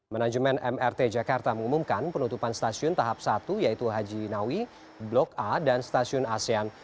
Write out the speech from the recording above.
manajemen mrt jakarta mengumumkan penutupan stasiun tahap satu yaitu haji nawi blok a dan stasiun asean